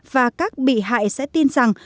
và các bị hại sẽ tin rằng